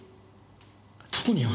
特には。